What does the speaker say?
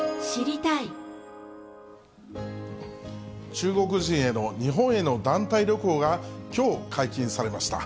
中国人への日本への団体旅行がきょう、解禁されました。